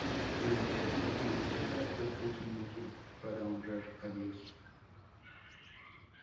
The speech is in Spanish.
Durante la Edad Media el arte es un medio para honrar a Dios.